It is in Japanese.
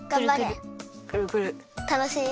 たのしい？